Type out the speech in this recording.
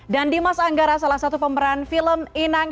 dan dimas anggara salah satu pemeran film inang